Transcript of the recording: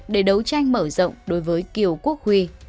để đấu tranh mở rộng đối với kiều quốc huy